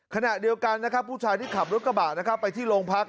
ขณะเดียวกันนะครับผู้ชายที่ขับรถกระบะนะครับไปที่โรงพัก